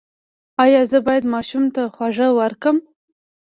ایا زه باید ماشوم ته خواږه ورکړم؟